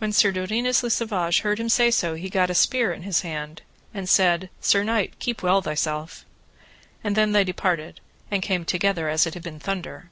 When Sir Dodinas le Savage heard him say so he gat a spear in his hand, and said, Sir knight, keep well thyself: And then they departed and came together as it had been thunder.